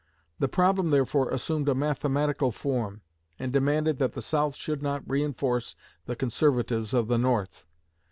The problem therefore assumed a mathematical form, and demanded that the South should not reinforce the Conservatives of the North.